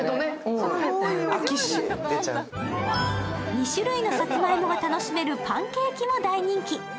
２種類のさつまいもが楽しめるパンケーキも大人気。